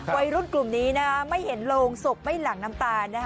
วัยรุ่นกลุ่มนี้ไม่เห็นโรงศพไม่หลั่งน้ำตาล